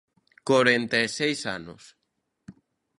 Corenta e seis anos.